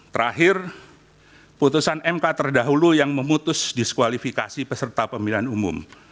terakhir putusan mk terdahulu yang memutus diskualifikasi peserta pemilihan umum